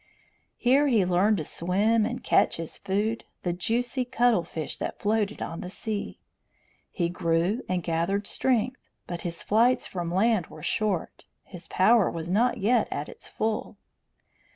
Here he learned to swim and catch his food, the juicy cuttle fish that floated on the sea. He grew and gathered strength, but his flights from land were short his power was not yet at its full.